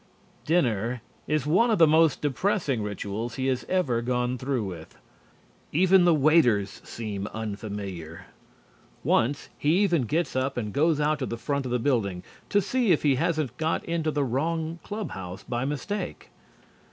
Dinner is one of the most depressing rituals he has ever gone through with. Even the waiters seem unfamiliar. Once he even gets up and goes out to the front of the building to see if he hasn't got into the wrong club house by mistake.